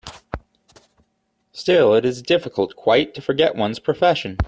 Still it is difficult quite to forget one's profession.